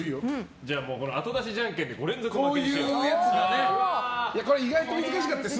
じゃあ後出しじゃんけんで５連続負け。